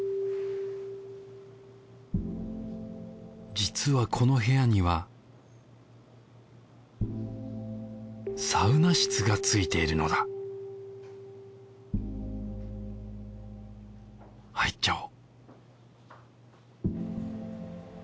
実はこの部屋にはサウナ室が付いているのだ入っちゃおう